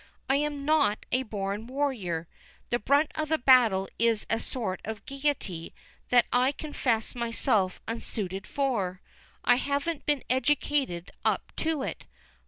I'm not a born warrior; the brunt of the battle is a sort of gayety that I confess myself unsuited for. I haven't been educated up to it.